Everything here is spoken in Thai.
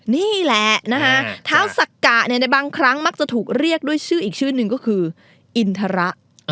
นี่แหละนะคะเท้าสักกะในบางครั้งมักจะถูกเรียกด้วยชื่ออีกชื่อหนึ่งก็คืออินทระ